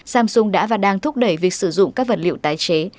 samsung đã và đang thúc đẩy việc sử dụng các vật liệu tái chế